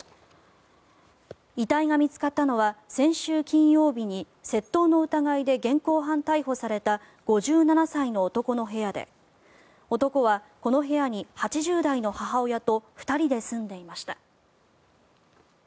遺体が見つかったのは先週金曜日に窃盗の疑いで現行犯逮捕された５７歳の男の部屋で男はこの部屋に８０代の母親と２人で住んでいました。